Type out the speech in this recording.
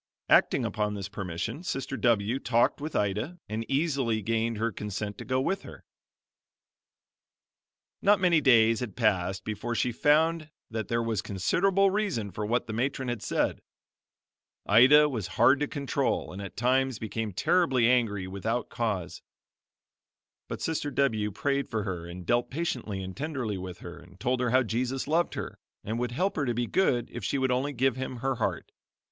Acting upon this permission, Sister W talked with Ida and easily gained her consent to go with her. Not many days had passed before she found that there was considerable reason for what the matron had said. Ida was hard to control and at times became terribly angry without cause; but Sister W prayed for her and dealt patiently and tenderly with her and told her how Jesus loved her, and would help her to be good if she would only give him her heart.